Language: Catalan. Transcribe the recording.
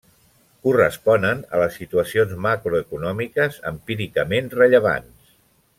Corresponen a les situacions macroeconòmiques empíricament rellevants.